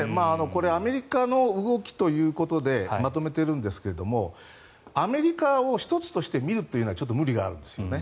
これアメリカの動きということでまとめているんですがアメリカを１つとして見るというのはちょっと無理があるんですよね。